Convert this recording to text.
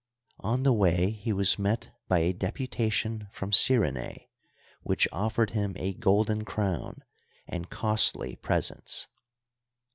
On the way he was met by a deputation from Cy renae which offered him a golden crown and costly pres ents.